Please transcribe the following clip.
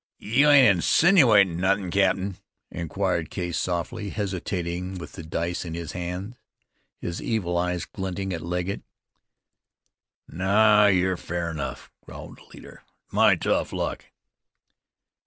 "You ain't insinuatin' nothin', cap'n?" inquired Case softly, hesitating with the dice in his hands, his evil eyes glinting at Legget. "No, you're fair enough," growled the leader. "It's my tough luck."